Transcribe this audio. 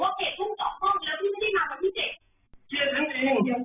โอเคพูดใส่พนักงานนี้พี่ไม่ได้มากับพี่เจก